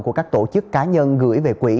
của các tổ chức cá nhân gửi về quỹ